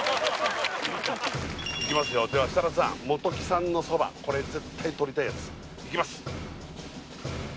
いきますよでは設楽さんもときさんのそばこれ絶対とりたいやついきます